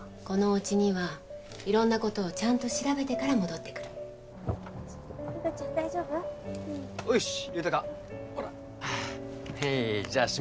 このおうちには色んなことをちゃんと調べてから戻ってくるゆたちゃん大丈夫？